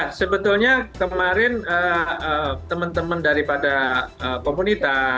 ya sebetulnya kemarin teman teman daripada komunitas